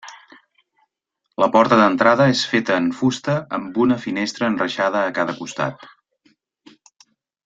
La porta d'entrada és feta en fusta amb una finestra enreixada a cada costat.